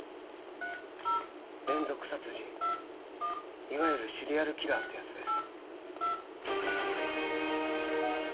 連続殺人いわゆるシリアルキラーってやつです